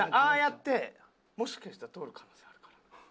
ああやってもしかしたら通る可能性あるから。